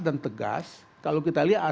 dan tegas kalau kita lihat